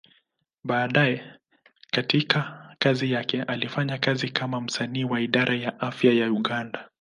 Baadaye katika kazi yake, alifanya kazi kama msanii wa Idara ya Afya ya Uganda.